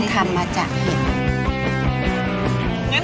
ซึ่งทำมาจากเห็ด